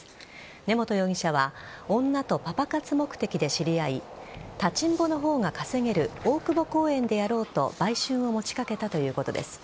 根本容疑者は女とパパ活目的で知り合い立ちんぼの方が稼げる大久保公園でやろうと売春を持ちかけたということです。